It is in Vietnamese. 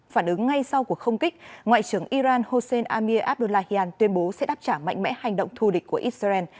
phản ứng ngay sau cuộc không kích ngoại trưởng iran hossein amir abdullahian tuyên bố sẽ đáp trả mạnh mẽ hành động thù địch của israel